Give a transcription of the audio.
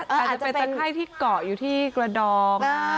อาจจะเป็นตะไข้ที่เกาะอยู่ที่กระดอง